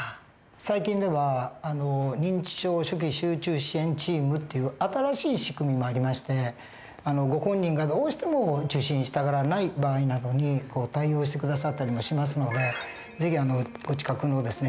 最近では認知症初期集中支援チームっていう新しい仕組みもありましてご本人がどうしても受診したがらない場合などに対応して下さったりもしますので是非お近くのですね